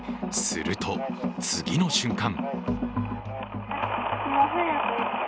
すると次の瞬間